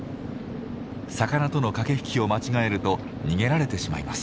魚との駆け引きを間違えると逃げられてしまいます。